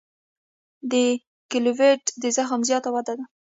د کیلویډ د زخم زیاته وده ده.